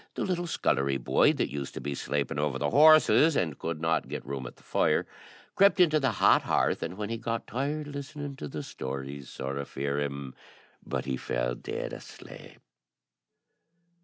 the little scullery boy that used to be sleeping over the horses, and could not get room at the fire, crept into the hot hearth, and when he got tired listening to the stories, sorra fear him, but he fell dead asleep.